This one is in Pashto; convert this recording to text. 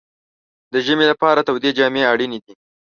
د ژمي لپاره تودې جامې اړینې دي.